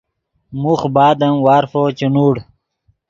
موخ بعد ام وارفو چے نوڑ